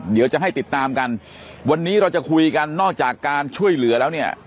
เดี๋ยวจะให้ติดตามกันวันนี้เราจะคุยกันนอกจากการช่วยเหลือแล้วเนี่ย